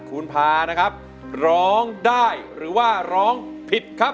คุณพานะครับร้องได้หรือว่าร้องผิดครับ